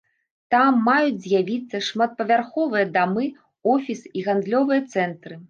Там маюць з'явіцца шматпавярховыя дамы, офісы і гандлёвыя цэнтры.